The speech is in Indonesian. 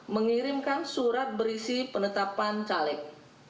mengirimkan surat berisi penetapan caleg